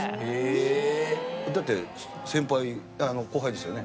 だって先輩後輩ですよね？